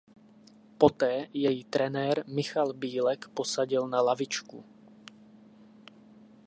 Poté jej trenér Michal Bílek posadil na lavičku.